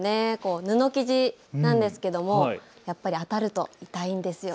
布生地なんですけどやっぱり当たると大変ですよ。